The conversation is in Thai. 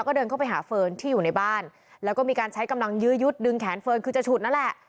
ก็เดินเข้าไปหาเฟิร์นที่อยู่ในบ้านแล้วก็มีการใช้กำลังยื้อยุดดึงแขนเฟิร์นคือจะฉุดนั่นแหละ